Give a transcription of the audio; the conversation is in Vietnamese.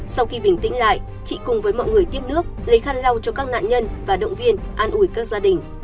sau khi bình tĩnh lại chị cùng với mọi người tiếp nước lấy khăn lau cho các nạn nhân và động viên an ủi các gia đình